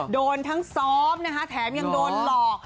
โดนทั้งซ้อมนะคะแถมยังโดนหลอก